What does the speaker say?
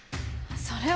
それは。